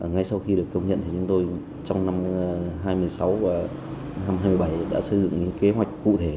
ngay sau khi được công nhận thì chúng tôi trong năm hai mươi sáu và hai mươi bảy đã xây dựng những kế hoạch cụ thể